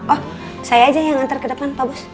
oh saya aja yang antar ke depan pak bus